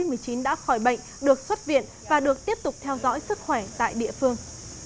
hai mươi ba bệnh nhân covid một mươi chín đã khỏi bệnh được xuất viện và được tiếp tục theo dõi sức khỏe tại địa phương